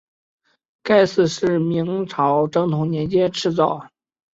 该寺是明朝正统年间敕建。